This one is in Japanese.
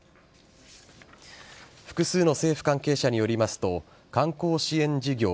複数の政府関係者によりますと観光支援事業